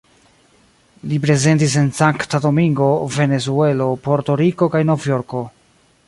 Li prezentis en Sankta Domingo, Venezuelo, Porto-Riko kaj Novjorko.